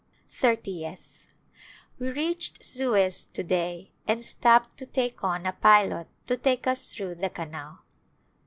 Thirtieth, We reached Suez to day and stopped to take on a pilot to take us through the canal.